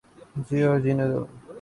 جیو اور جینے دو